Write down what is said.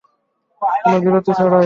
কোনো বিরতি ছাড়াই!